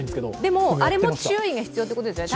でも、あれも注意が必要ということですね。